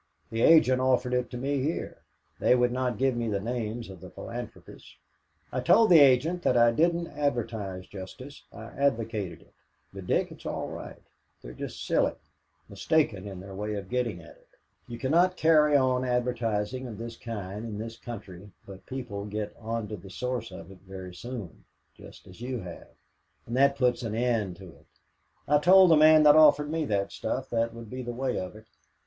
The agent offered it to me here. They would not give me the names of the philanthropists. I told the agent that I didn't advertise justice, I advocated it. But, Dick, it's all right. They're just silly, mistaken in their way of getting at it. You cannot carry on advertising of this kind in this country but people get onto the source of it very soon, just as you have; and that puts an end to it. I told the man that offered me that stuff that would be the way of it."